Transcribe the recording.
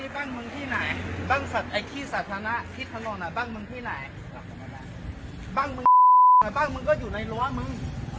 เป็นไหนบ้างคือไหนบ้างบ้างบ้างมึงก็อยู่ในรั้วมึง